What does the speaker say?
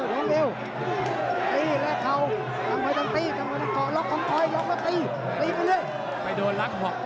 ต้องเร็วตีแล้วเข่าทำไมต้องตีทำไมต้องก่อล็อกของพลอยล็อกแล้วตีตีไปเรื่อย